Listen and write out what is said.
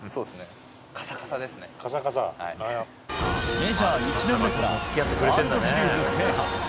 メジャー１年目からワールドシリーズ制覇。